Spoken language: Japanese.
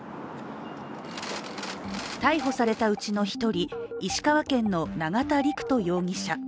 逮捕されたうちの１人、石川県の永田陸人容疑者。